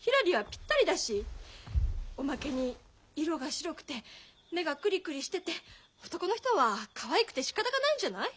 ひらりはピッタリだしおまけに色が白くて目がクリクリしてて男の人はかわいくてしかたがないんじゃない？